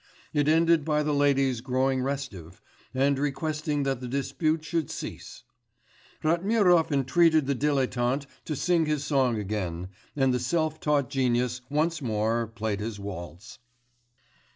It ended by the ladies growing restive, and requesting that the dispute should cease.... Ratmirov entreated the dilettante to sing his song again, and the self taught genius once more played his waltz....